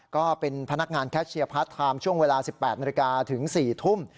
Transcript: ก็เป็นพนักงานแคชเชียร์พาร์ทไทม์ช่วงเวลา๑๘นาฬิกาถึง๔ทุ่ม